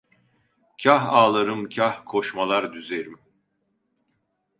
Kâh ağlarım, kâh koşmalar düzerim.